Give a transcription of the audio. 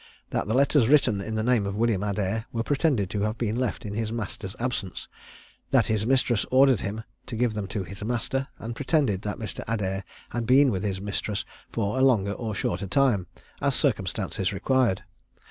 That the letters written in the name of William Adair were pretended to have been left in his master's absence; that his mistress ordered him to give them to his master, and pretend that Mr. Adair had been with his mistress for a longer or shorter time, as circumstances required.